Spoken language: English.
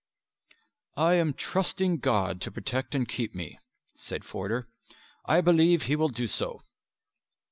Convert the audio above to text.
"I am trusting God to protect and keep me," said Forder. "I believe He will do so."